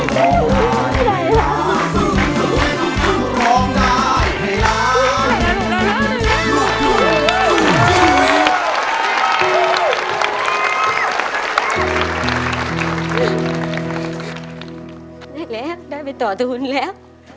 ได้แล้วได้ไปต่อตัวหุ้นแล้ว